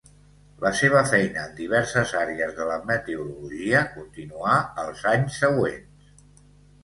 La seva feina en diverses àrees de la meteorologia continuà els anys següents.